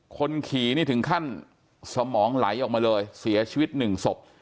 คนขี่นี่ถึงขั้นสมองไหลออกมาเลยเสียชีวิตหนึ่งศพ